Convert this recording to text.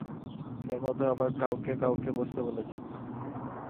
এর মধ্যেও আবার কাউকেকাউকে বসতে বলছে।